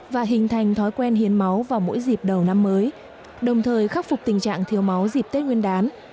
và hình thành thói quen hiến máu vào mỗi dịp đầu năm mới đồng thời khắc phục tình trạng thiếu máu dịp tết nguyên đán